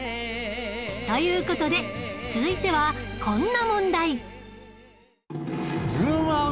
という事で続いてはこんな問題